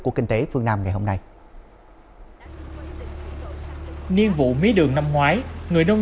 của kinh tế phương nam ngày hôm nay nhiên vụ mía đường năm ngoái người nông